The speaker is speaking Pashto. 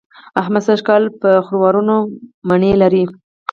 احمد سږ کال په خروارونو مڼې لرلې.